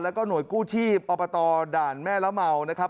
แล้วก็หน่วยกู้ชีพอบตด่านแม่ละเมานะครับ